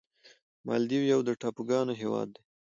مالدیو یو د ټاپوګانو هېواد دی.